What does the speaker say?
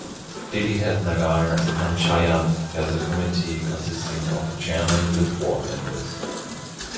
Didihat Nagar Panchayat has a committee consisting of a chairman with ward members.